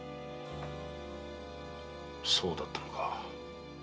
そうだったのか。